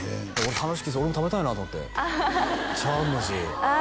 話聞いて俺も食べたいなと思って茶碗蒸しあ